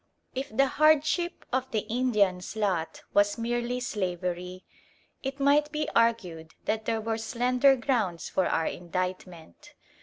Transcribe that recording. If the hardship of the Indians' lot was merely slavery, it might be argued that there were slender grounds for our indictment.